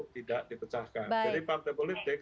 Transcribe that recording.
tidak dipecahkan jadi partai politik